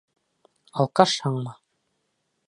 Алкашһыңмы?